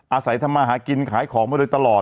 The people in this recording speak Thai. อาศัยทำมาหากินขายของมาโดยตลอด